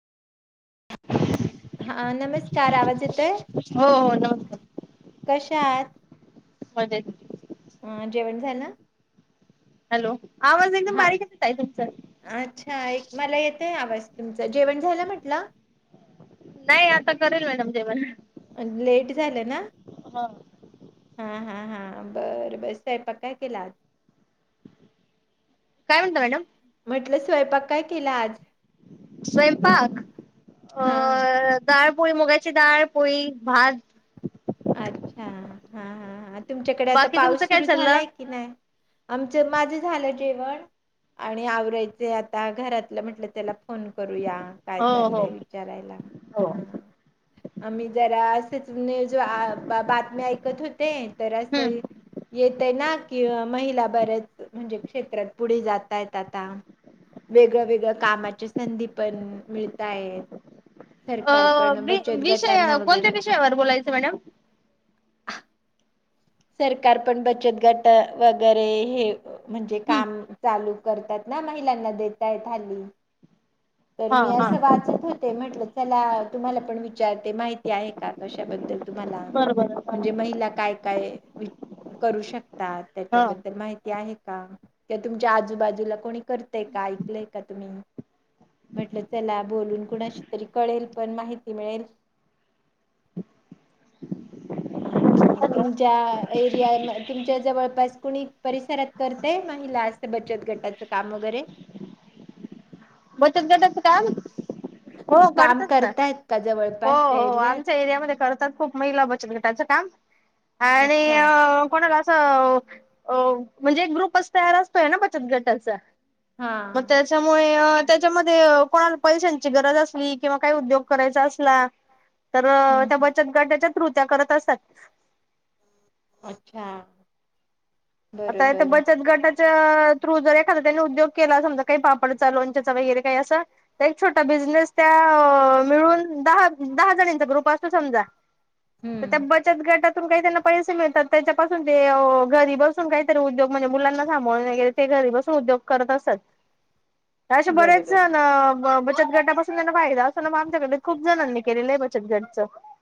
हा नमस्कार आवाज येतोय. हो हो नमस्कार कशात? मजेत. अं जेवण झालं? हॅलो आवाज एकदम हा बारीक येतोय ताई तुमचा. तुमचं जेवण झालं म्हटलं? नाही आता करेल मॅडम जेवण. लेट झालं ना. हा. हा हा हा बर बर स्वयपाक काय केलात आज? काय म्हंटला मॅडम? म्हटलं स्वयंपाक काय केला आज? स्वयंपाक अ हा डाळ पोळी मुगाची दाळ, पोळी, भात. अच्छा हा हा हा तुमच्याकडे आता बाकी तुमचं पाऊस काय सुरू चाललं झालाय की नाही, आमचं माझं झालं जेवण. आणि आवरायचे आता घरातलं म्हटलं त्याला फोन करूया काय हो हो चाललंय विचारायला हो हं. आम्ही जरा असे [unintelligible] बातमी ऐकत होते तर अस हम्म येतय ना कि महिला बऱ्याच म्हणजे क्षेत्रात पुढे जातय आता. वेगळ्या वेगळ्या कामाच्या संधी पण मिळत आहेत. सरकार अ पण वि बचत गटांना विषय वगैरे कोणत्या विषयावर बोलायचं मॅडम [inaudible] सरकार पण बचत गट वगैरे हे म्हणजे हम्म काम चालू करतात. महिलां देतायत हल्ली. तर हा मी हा अस वाचत होते म्हटलं चला तुम्हाला पण विचारते माहिती आहे का कशाबद्दल तुम्हाला, बरोबर म्हणजे महिला काय काय करू शक तात. हा त्याच्याबद्दल माहिती आहे का त्या तुमच्या आजूबाजूला कोणी करतय का ऐकलंय का तुम्ही. म्हटलं चला बोलून कुणाशी तरी कळेल पण माहिती मिळेल. हा. तुमच्या एरिया तुमच्या जवळपास कोणी परिसरात करतय महिला असं बच त गटाचं काम वगैरे. बचत गटाचं काम. हो काम करतात ना. करतायत का हो जवळपासच्या हो एरियात आमच्या एरियामध्ये करतात खूप महिला बचत गट. त्याच काम अच्छा आणि कोणाला चं म्हणजे एक ग्रुपच तयार असतोय ना बचत गटाचा. मग हा. त्याच्यामुळे त्याच्यामध्ये कोणाला पैशांची गरज असली किंवा काही उद्योग करायचा असला. तर त्या हम्म बचत गटाच्या थ्रू त्या करत असतात. अच्छा. आता ईथ बरोबर बचत गटाच्या थ्रू जर एखा त्यांनी उद्योग केला समजा काही पापडचा लोंचा वगैरे काही असं तर एक छोटा बिझनेस त्या मिळून दहा दहा जणांचा ग्रुप असतो समजा. तर त्या हम्म बचत गटातून काही त्यांना पैसे मिळतात त्याच्यापासून ते घरी ब सुन काहीतरी उद्योग म्हणजे मुलांना सांभोळूने ते घरी बसून उद्योग करत असतात. अशे बरेच बरोबर. जण ब चत गटापासून त्यांना फायदा असत ना मग आमच्याकडे खूप जणांनी केलेलं आहे बचत गटच.